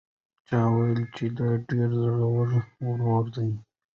چا وویل چې دا ډېره زړه وره ده.